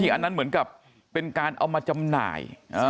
อันนั้นเหมือนกับเป็นการเอามาจำหน่าย